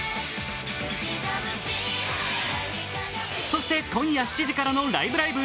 そして、今夜７時からの「ライブ！ライブ！」